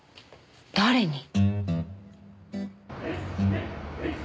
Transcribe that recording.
誰に？